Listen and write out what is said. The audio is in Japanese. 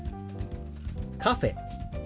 「カフェ」。